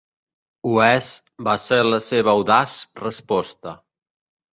Ho és, va ser la seva audaç resposta.